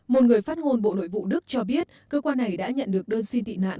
một người phát ngôn bộ nội vụ đức cho biết cơ quan này đã nhận được đơn xin tị nạn